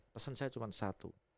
pesen saya cuma satu